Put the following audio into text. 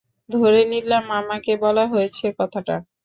ধরে নিলাম, আমাকে বলা হয়েছে কথাটা!